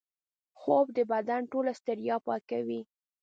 خوب د بدن ټوله ستړیا پاکوي